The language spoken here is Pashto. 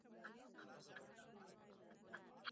چي هر څو یې زور کاوه بند وه ښکرونه